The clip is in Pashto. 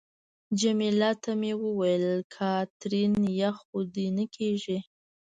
جميله ته مې وویل: کاترین، یخ خو دې نه کېږي؟